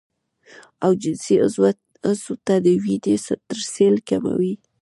او جنسي عضو ته د وينې ترسيل کموي